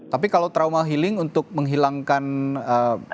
tapi kalau trauma healing untuk menghilangkan trauma begitu ada